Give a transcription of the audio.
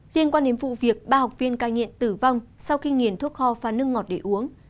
liên quan đến vụ việc ba học viên cai nghiện tử vong sau khi nghiền thuốc kho pha nước ngọt để uống